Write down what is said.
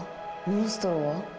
モンストロは？